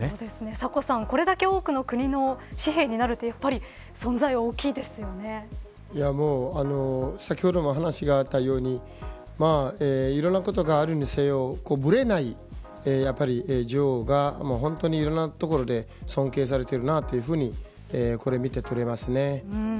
サコさん、これだけ多くの国の紙幣になるというのは先ほども、お話があったようにいろんなことがあるにせよぶれない女王がいろんな所で尊敬されているなというふうにこれを見てとれますね。